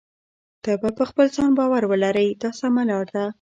تل په خپل ځان باور ولرئ دا سمه لار ده.